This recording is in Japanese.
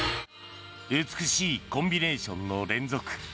美しいコンビネーションの連続。